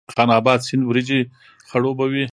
خان اباد سیند وریجې خړوبوي؟